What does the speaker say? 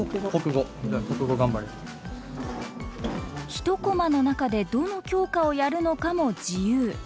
１コマの中でどの教科をやるのかも自由。